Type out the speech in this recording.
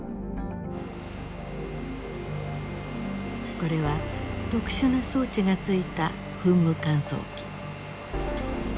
これは特殊な装置がついた噴霧乾燥機。